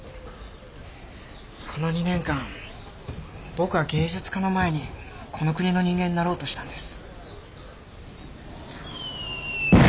この２年間僕は芸術家の前にこの国の人間になろうとしたんです。